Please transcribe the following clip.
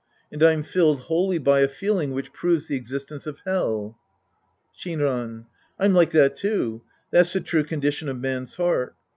And I'm filled wholly by a feeling which proves the exists ence of Hell. Skinmn. I'm like that, too. That's the true condition of man's heart.